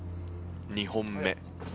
２本目。